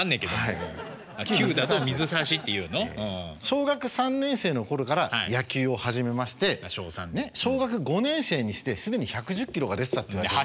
小学３年生の頃から野球を始めまして小学５年生にして既に１１０キロが出てたって言われて。